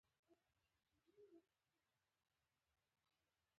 د هرې خبرې وروسته لږه وقفه نیول د خبرو ښه کولو لپاره ګټور دي.